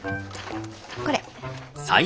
これ。